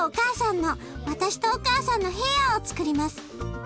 私とお母さんのヘアーをつくります。